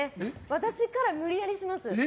私から無理矢理します。